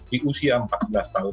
di usia empat belas tahun